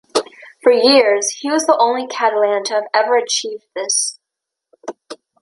For years he was the only Catalan to have ever achieved this.